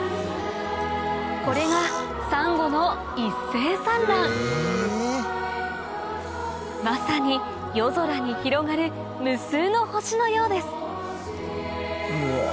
これがサンゴの一斉産卵まさに夜空に広がる無数の星のようですうわ